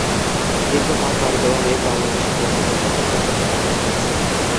দীর্ঘপথ পাড়ি দেওয়া মেঘ বাংলাদেশে পৌঁছে কোথাও হালকা আবার কোথাও ভারী হয়েছে।